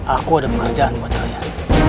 aku ada pengerjaan buat kalian